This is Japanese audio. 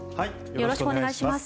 よろしくお願いします。